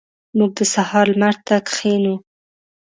موږ د سهار لمر ته کښینو.